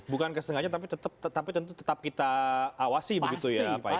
bukan kesengajaan tapi tetap kita awasi begitu ya pak ilham